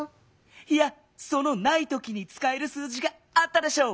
いやその「ないとき」につかえる数字があったでしょう？